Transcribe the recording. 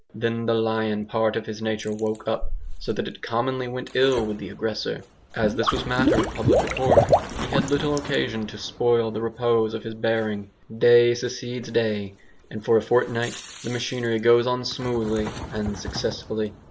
Then the lion part of his nature woke up, so that it commonly went ill with the aggressor. As this was matter of public report, he had little occasion to spoil the repose of his bearing. Day succeeds day, and for a fortnight the machinery goes on smoothly and successfully.